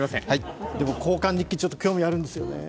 でも、交換日記ちょっと興味あるんですよね。